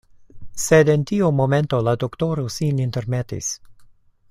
Sed en tiu momento la doktoro sin intermetis.